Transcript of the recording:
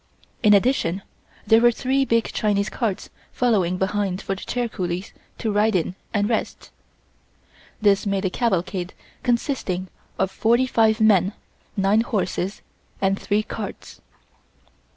In addition there were three big Chinese carts following behind for the chair coolies to ride in and rest. This made a cavalcade consisting of forty five men, nine horses and three carts.